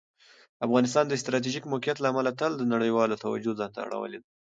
افغانستان د ستراتیژیک موقعیت له امله تل د نړیوالو توجه ځان ته اړولي ده.